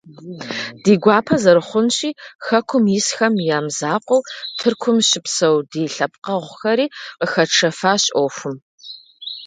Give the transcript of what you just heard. Ди гуапэ зэрыхъунщи, хэкум исхэм я мызакъуэу, Тыркум щыпсэу ди лъэпкъэгъухэри къыхэтшэфащ ӏуэхум.